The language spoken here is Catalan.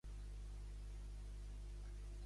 És un suburbi de Greer.